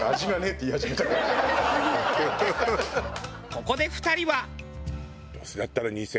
ここで２人は。